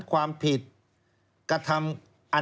ความผิดกระทำ